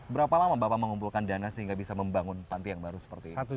berapa lama bapak mengumpulkan dana sehingga bisa membangun panti yang baru seperti ini